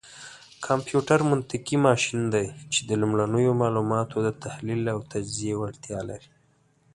کمپيوټر منطقي ماشين دی، چې د لومړنيو معلوماتو دتحليل او تجزيې وړتيا لري.